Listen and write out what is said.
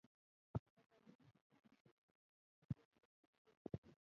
ازادي راډیو د د ماشومانو حقونه وضعیت انځور کړی.